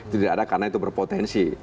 tidak ada karena itu berpotensi